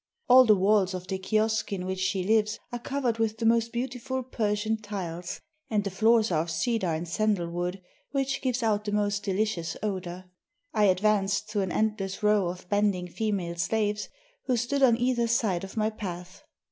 All the walls of the kiosk in which she lives are covered with the most beau tiful Persian tiles and the floors are of cedar and sandal wood, which give out the most delicious odor. I ad vanced through an endless row of bending female slaves, who stood on either side of my path.